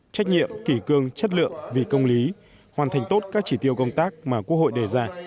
trách nhiệm kỷ cương chất lượng vì công lý hoàn thành tốt các chỉ tiêu công tác mà quốc hội đề ra